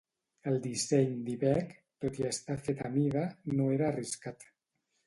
El disseny d'Ibec, tot i estar fet a mida, no era arriscat.